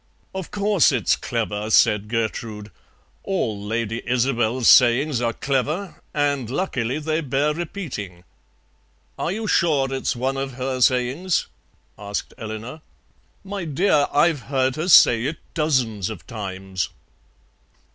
"Of course it's clever," said Gertrude; "all Lady Isobel's sayings are clever, and luckily they bear repeating." "Are you sure it's one of her sayings?" asked Eleanor. "My dear, I've heard her say it dozens of times."